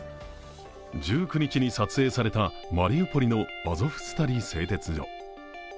１９日に撮影されたマリウポリのアゾフスタリ製鉄所。